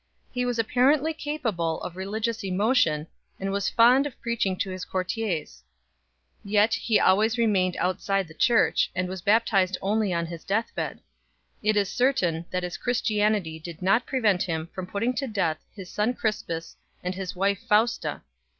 He was apparently capable of religious emo tion, and was fond of preaching to his courtiers 4 . Yet he always remained outside the Church, and was baptized only on his death bed 5 . It is certain that his Christianity did not prevent him from putting to death his son Cris pus and his wife Fausta.